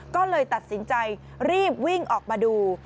ก็เลยตัดสินใจรีบวิ่งออกมาดู